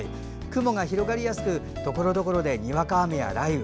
雲が広がりやすくところどころでにわか雨や雷雨。